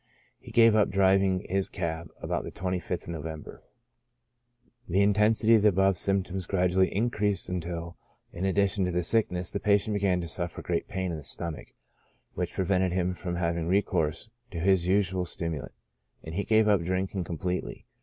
He gave up driving his cab about the 25th November. The intensity of the above symptoms gradually increased until, in addition to the sickness, the patient began to suffer great pain in the stomach, which prevented him from having recourse to his usual stimulant, and he gave up drinking com pletely.